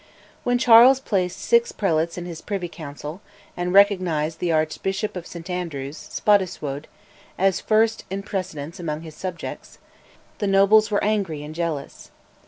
When Charles placed six prelates on his Privy Council, and recognised the Archbishop of St Andrews, Spottiswoode, as first in precedence among his subjects, the nobles were angry and jealous.